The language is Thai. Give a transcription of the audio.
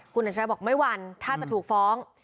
คุณอัจฉริยะบอกไม่หวั่นถ้าจะถูกฟ้อง